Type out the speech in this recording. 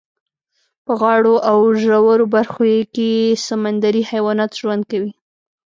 په غاړو او ژورو برخو کې یې سمندري حیوانات ژوند کوي.